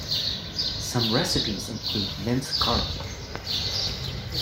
Some recipes include minced garlic.